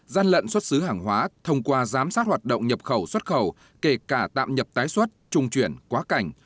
gian lận xuất xứ hàng hóa thông qua giám sát hoạt động nhập khẩu xuất khẩu kể cả tạm nhập tái xuất trung chuyển quá cảnh